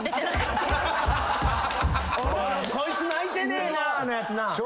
こいつ泣いてねえなのやつな。